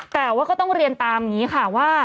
แต่ว่าก็ต้องเรียนตามอย่างนี้ค่ะว่า